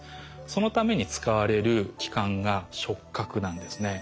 そのために使われる器官が触角なんですね。